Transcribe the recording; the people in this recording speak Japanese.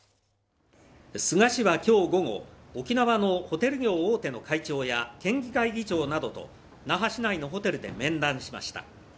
菅氏は今日午後、沖縄のホテル業大手の会長や県議会議長などと那覇市内のホテルで面談しました。